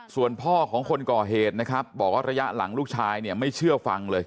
ส่วนพ่อของคนก่อเหตุนะครับบอกว่าระยะหลังลูกชายเนี่ยไม่เชื่อฟังเลย